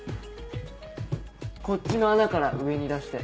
こっちの穴から上に出して。